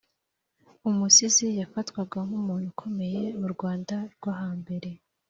Umusizi yafatwaga nk’umuntu ukomeye mu Rwanda rwo hambere